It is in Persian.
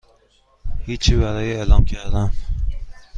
هیچی برای اعلام کردن